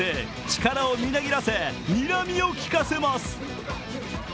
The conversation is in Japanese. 力をみなぎらせ、にらみをきかせます。